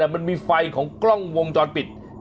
มันมีไฟของกล้องวงจรปิด